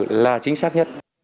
điện tử là chính xác nhất